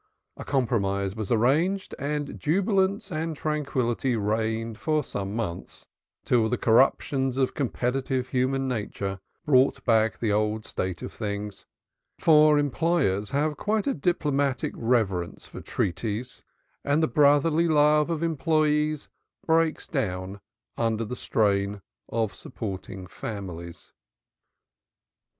A compromise was arranged and jubilance and tranquillity reigned for some months, till the corruptions of competitive human nature brought back the old state of things for employers have quite a diplomatic reverence for treaties and the brotherly love of employees breaks down under the strain of supporting families.